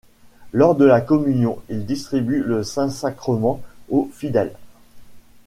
Lors de la communion, il distribue le saint sacrement aux fidèles.